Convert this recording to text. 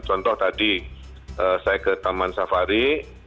contoh tadi saya ke taman safari